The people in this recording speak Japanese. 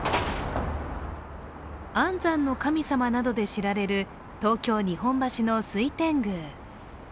安産の神様などで知られる東京・日本橋の水天宮。